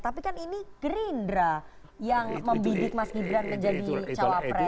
tapi kan ini gerindra yang membidik mas gibran menjadi cawapres